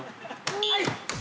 はい！